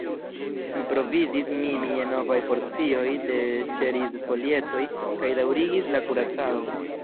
Mi provizis min je novaj porcioj de ĉeriz-folietoj kaj daŭrigis la kuracadon.